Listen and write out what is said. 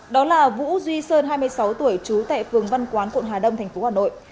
đó là vũ duy sơn hai mươi sáu tuổi trú tại phường văn quán quận hà đông tp hà nội